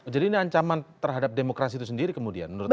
jadi ini ancaman terhadap demokrasi itu sendiri kemudian menurut anda